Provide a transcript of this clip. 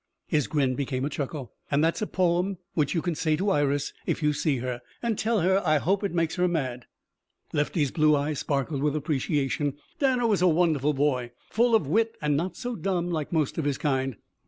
His grin became a chuckle. "And that's a poem which you can say to Iris if you see her and tell her I hope it makes her mad." Lefty's blue eyes sparkled with appreciation. Danner was a wonderful boy. Full of wit and not dumb like most of his kind.